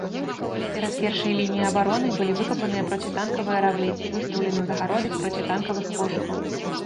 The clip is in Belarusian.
Перад першай лініяй абароны былі выкапаны процітанкавыя равы і выстаўлены загароды з процітанкавых вожыкаў.